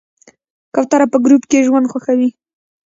کوتره په ګروپ ژوند خوښوي.